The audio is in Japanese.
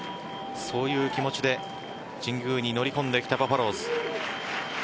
そういう気持ちで神宮に乗り込んできたバファローズ。